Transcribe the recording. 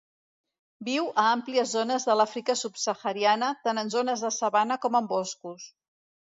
Viu a àmplies zones de l'Àfrica subsahariana, tant en zones de sabana com en boscos.